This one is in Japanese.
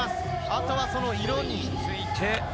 あとはその色について。